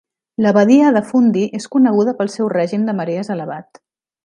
La badia de Fundy és coneguda pel seu règim de marees elevat.